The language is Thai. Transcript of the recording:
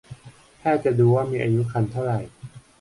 แพทย์จะดูว่ามีอายุครรภ์เท่าไร